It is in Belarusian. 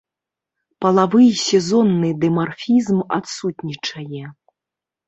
Палавы і сезонны дымарфізм адсутнічае.